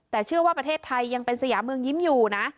แต่เชื่อว่าประเทศไทยยังเป็นสยามเมืองยิ้มอยู่นะ